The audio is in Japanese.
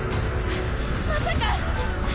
まさか！